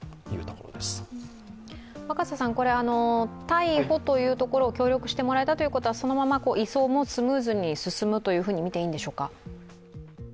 逮捕というところを協力してもらえたということはそのまま移送もスムーズに進むとみていいんでしょうか？